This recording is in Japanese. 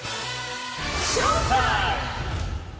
ショータイム！